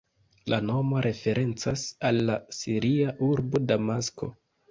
La nomo referencas al la siria urbo Damasko.